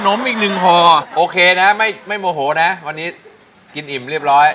มอีกหนึ่งห่อโอเคนะไม่โมโหนะวันนี้กินอิ่มเรียบร้อย